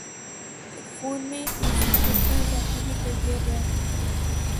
ایک فون میں "e cigarette" کا اضافہ بھی کر دیا گیا ہے